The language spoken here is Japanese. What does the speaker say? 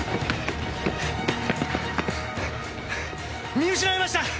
見失いました！